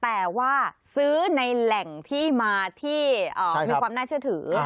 แต่ว่าซื้อในแหล่งที่มาที่มีความน่าเชื่อถือ